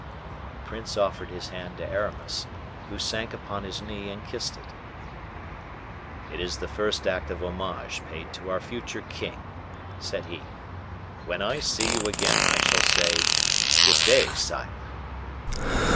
The prince offered his hand to Aramis, who sank upon his knee and kissed it. "It is the first act of homage paid to our future king," said he. "When I see you again, I shall say, 'Good day, sire.